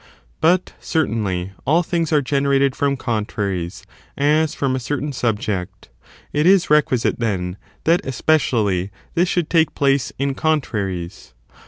But, certainly, aQ things are generated from contraries as from a certain sub ject ; it is requisite, then, that especially this should take place in contraries.